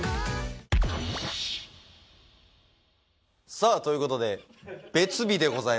さあという事で別日でございます。